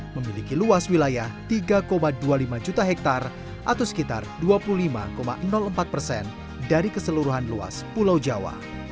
memiliki luas wilayah tiga dua puluh lima juta hektare atau sekitar dua puluh lima empat persen dari keseluruhan luas pulau jawa